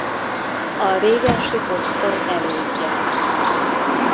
A régensi poszton elődje.